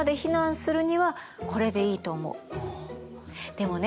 でもね